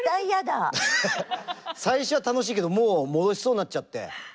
最初は楽しいけどもう戻しそうになっちゃって。